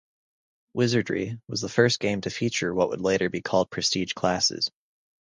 "Wizardry" was the first game to feature what would later be called prestige classes.